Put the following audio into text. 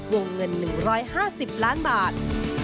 วงเงิน๑๕๐ล้านบาท